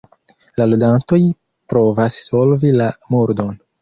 La ludantoj provas solvi la murdon.